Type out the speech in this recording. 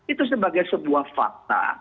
itu sebagai sebuah fakta